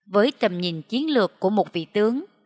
với tầm nhìn chiến lược của một vị tướng